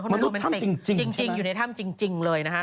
เขาไม่รู้มันเป็นเต็งจริงอยู่ในถ้ำจริงเลยนะฮะ